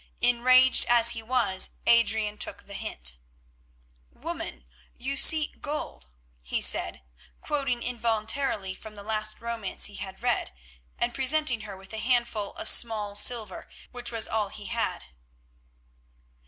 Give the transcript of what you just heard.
Enraged as he was Adrian took the hint. "Woman, you seek gold," he said, quoting involuntarily from the last romance he had read, and presenting her with a handful of small silver, which was all he had.